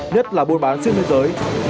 nhất là bôi bán xuyên thế giới